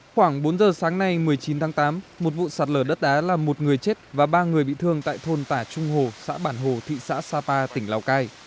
khoảng bốn giờ sáng nay một mươi chín tháng tám một vụ sạt lở đất đá làm một người chết và ba người bị thương tại thôn tả trung hồ xã bản hồ thị xã sapa tỉnh lào cai